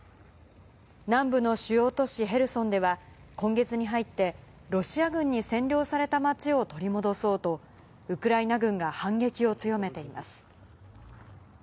南部の主要都市ヘルソンでは、今月に入ってロシア軍に占領された町を取り戻そうと、ウクライナ軍が反撃を強めています。